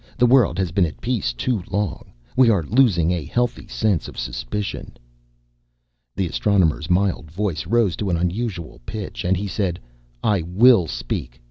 The world has been at peace too long. We are losing a healthy sense of suspicion." The Astronomer's mild voice rose to an unusual pitch and he said, "I will speak.